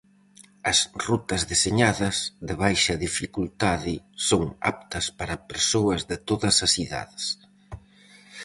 As rutas deseñadas, de baixa dificultade, son aptas para persoas de todas as idades.